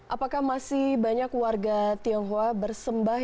apakah masih banyak warga tionghoa bersembah